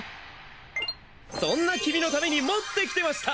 そんな君の為に持ってきてました！